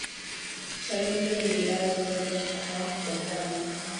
chalinze ni wilaya iliyopo mkoa wa pwani